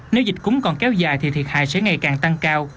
nếu dịch cúm còn kéo dài thì thiệt hại sẽ ngày càng tăng cao